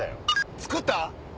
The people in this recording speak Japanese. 作った？